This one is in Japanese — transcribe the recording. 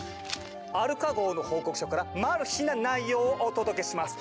「アルカ号の報告書」からな内容をお届けします。